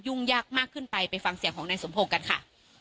ยากมากขึ้นไปไปฟังเสียงของนายสมพงศ์กันค่ะ